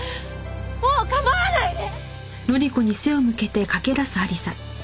もう構わないで！